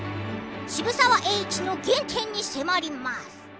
渋沢栄一の原点に迫ります。